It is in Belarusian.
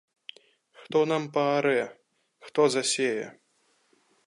Хто нам паарэ, хто засее?!